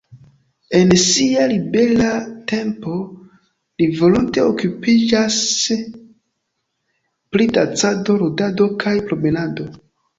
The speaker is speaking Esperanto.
En sia libera tempo li volonte okupiĝas pri dancado, ludado kaj promenado.